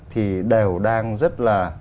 thì đều đang rất là